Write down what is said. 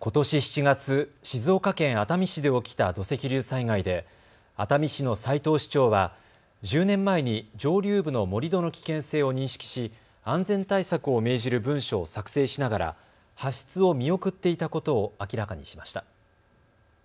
ことし７月、静岡県熱海市で起きた土石流災害で熱海市の斉藤市長は１０年前に上流部の盛り土の危険性を認識し安全対策を命じる文書を作成しながら発出を見送っていたことを明らかにしました。